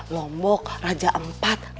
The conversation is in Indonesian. lombok raja empat